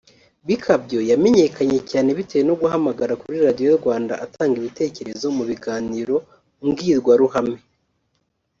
Bikabyo yamenyekanye cyane bitewe no guhamagara kuri Radio Rwanda atanga ibitekerezo mu biganiro mbwirwaruhame